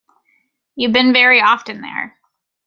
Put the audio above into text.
You've been very often there.